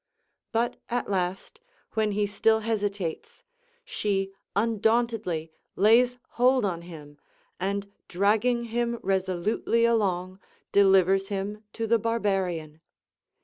But at last, when he still hesitates, she undauntedly lays hold on him, and dragging him resolutely along, de livers him to the barbarian.